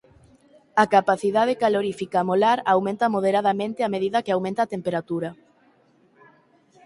A capacidade calorífica molar aumenta moderadamente a medida que aumenta a temperatura.